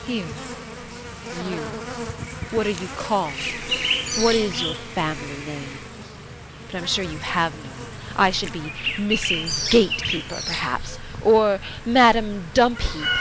Hear, you, what are you called, what is your family name? But I'm sure you have none. I should be "Mrs. Gate Keeper," perhaps, or "Madame Dumpheap."